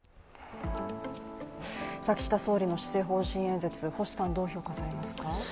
岸田総理の施政方針演説、星さんどう評価されますか？